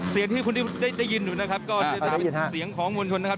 เสียงที่คุณได้ยินอยู่นะครับก็จะเป็นเสียงของมวลชนนะครับ